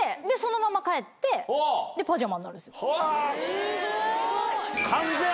すごい！